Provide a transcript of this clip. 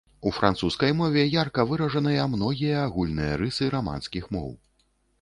У французскай мове ярка выражаныя многія агульныя рысы раманскіх моў.